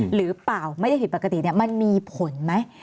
หรือเปล่าไม่ได้ผิดปกติมันมีผลไหม